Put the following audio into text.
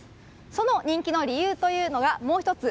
その人気の理由というのがもう１つ